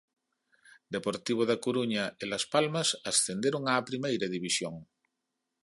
Deportivo da Coruña e Las Palmas ascenderon á Primeira División.